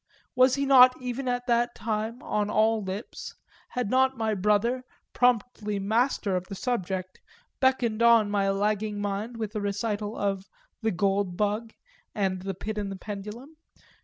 Was he not even at that time on all lips, had not my brother, promptly master of the subject, beckoned on my lagging mind with a recital of The Gold Bug and The Pit and the Pendulum?